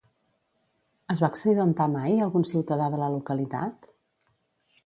Es va accidentar mai algun ciutadà de la localitat?